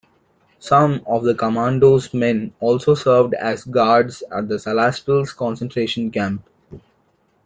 Some of the commando's men also served as guards at the Salaspils concentration camp.